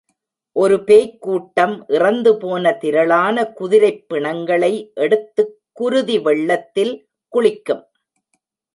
ஒரு பேய்க் கூட்டம் இறந்து போன திரளான குதிரைப் பிணங்களை எடுத்துக் குருதி வெள்ளத்தில் குளிக்கும்.